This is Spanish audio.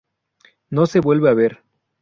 No se le vuelve a ver.